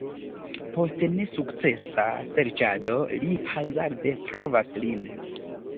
Post nesukcesa serĉado, li hazarde trovas lin.